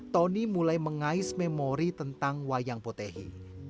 tony mulai mengais memori tentang wayang potehi